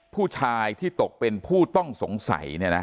ผู้ชายที่ตกเป็นผู้ต้องสงสัย